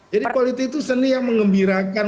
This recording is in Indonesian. jadi politik itu seni yang mengembirakan